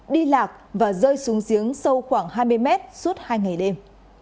đi lạc và rơi xuống giếng sâu khoảng hai mươi mét suốt hai ngày đêm